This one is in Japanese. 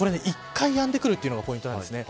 １回やんでくるというのがポイントなんです。